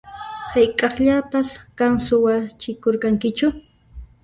Hayk'aqllapas qan suwachikurqankichu?